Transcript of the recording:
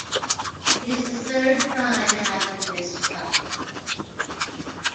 It is the third prime having this property.